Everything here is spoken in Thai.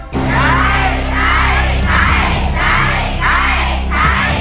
ใช้